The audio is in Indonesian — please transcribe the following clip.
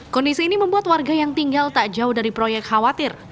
kondisi ini membuat warga yang tinggal tak jauh dari proyek khawatir